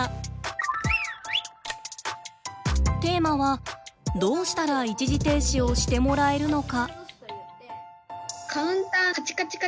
テーマはどうしたら一時停止をしてもらえるのか。